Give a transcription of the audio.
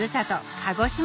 鹿児島市